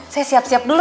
saya siap siap dulu